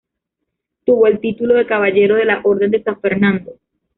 Tuvo el título de caballero de la Orden de San Fernando.